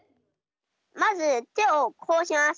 まずてをこうします。